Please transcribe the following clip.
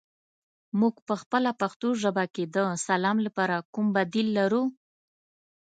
موږ پخپله پښتو ژبه کې د سلام لپاره کوم بدیل لرو؟